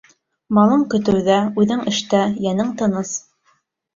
Малың — көтөүҙә, үҙең — эштә: йәнең тыныс.